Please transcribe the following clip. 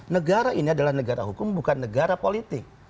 negara ini adalah negara hukum bukan negara politik